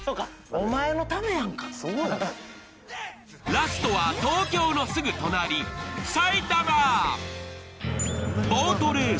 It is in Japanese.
ラストは東京のすぐ隣、埼玉。